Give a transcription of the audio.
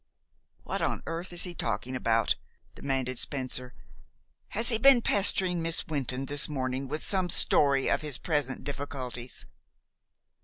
"What on earth is he talking about?" demanded Spencer. "Has he been pestering Miss Wynton this morning with some story of his present difficulties?"